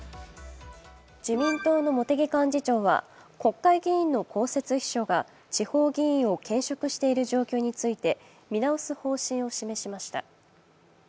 自民党の茂木幹事長は、国会議員の公設秘書が地方議員を兼職している状況について見直す方針を示しました。